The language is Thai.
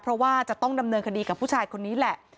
เพราะว่าจะต้องดำเนินคดีกับผู้ชายคนนี้แหละ